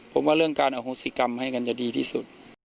ผมว่าเรื่องการอโหสิกรรมให้กันจะดีที่สุด